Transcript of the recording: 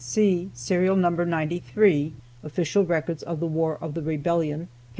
See Serial number 93, Official Records of the War of the Rebellion, p.